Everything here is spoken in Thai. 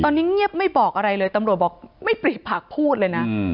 ตอนนี้เงียบไม่บอกอะไรเลยตำรวจบอกไม่ปรีผักพูดเลยนะ